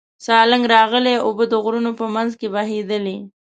سالنګ راغلې اوبه د غرونو په منځ کې بهېدلې.